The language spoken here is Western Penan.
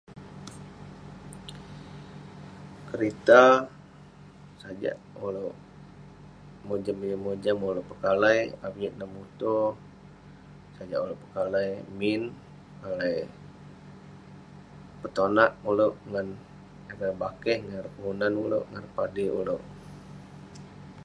Kerita sajak oleuk mojam neh mojam oleuk pekalai avik neh muto sajak oleuk pekalai min pekalai petonak oleuk ngan ireh bakeh ngan ireh kelunan oluek padik oleuk